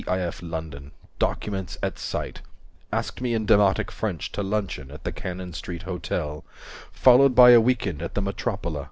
i. f. London: documents at sight, Asked me in demotic French To luncheon at the Cannon Street Hotel Followed by a week end at the Metropole.